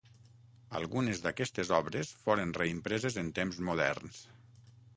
Algunes d'aquestes obres foren reimpreses en temps moderns.